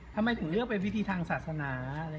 ทำไมคุณเลือกไปวิธีทางศาสนา